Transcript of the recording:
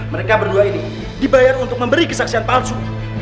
mereka berdua ini dibayar untuk memberi kesaksian palsu